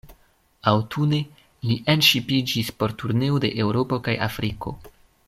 Aŭtune, li enŝipiĝis por turneo de Eŭropo kaj Afriko.